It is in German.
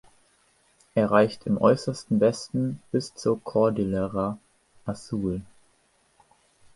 Er reicht im äußersten Westen bis zur Cordillera Azul.